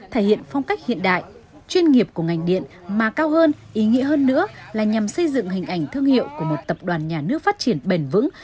thể hiện phong cách hiện đại chuyên nghiệp của ngành điện mà cao hơn ý nghĩa hơn nữa là nhằm xây dựng hình ảnh thương hiệu của một tập đoàn nhà nước phát triển bền vững